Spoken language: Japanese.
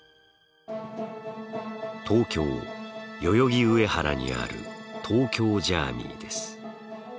東京・代々木上原にある東京ジャーミイです。